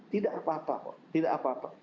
tidak apa apa kok tidak apa apa